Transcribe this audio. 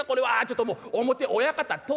ちょっともう表親方通るよ。